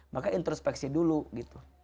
maka introspeksi dulu